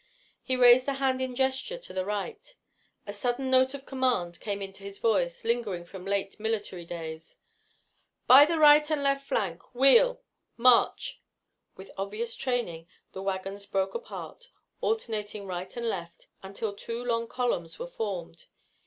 He raised a hand in gesture to the right. A sudden note of command came into his voice, lingering from late military days. "By the right and left flank wheel! March!" With obvious training, the wagons broke apart, alternating right and left, until two long columns were formed.